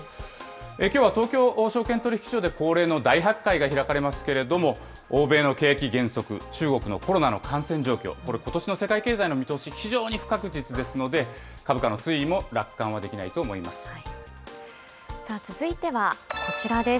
きょうは東京証券取引所で恒例の大発会が開かれますけれども、欧米の景気減速、中国のコロナの感染状況、これ、ことしの世界経済の見通し、非常に不確実ですので、株価の推移も続いてはこちらです。